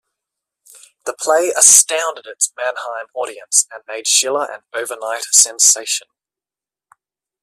The play astounded its Mannheim audience and made Schiller an overnight sensation.